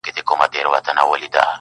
له کچکول سره فقېر را سره خاندي,